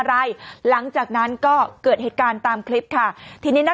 ปรากฏว่าสิ่งที่เกิดขึ้นคลิปนี้ฮะ